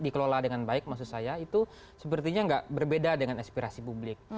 dikelola dengan baik maksud saya itu sepertinya nggak berbeda dengan aspirasi publik